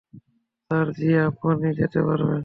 Sir ji, আপনি যেতে পারবেন?